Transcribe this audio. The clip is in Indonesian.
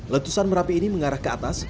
letusan merapi ini mengarah ke atas